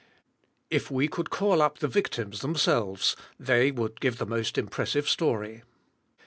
If we could call up the victims themselves, they would give the most impressive story.